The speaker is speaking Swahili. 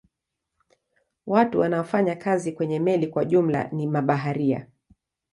Watu wanaofanya kazi kwenye meli kwa jumla ni mabaharia.